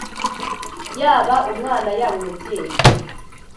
Yaba umwana, yaba umubyeyi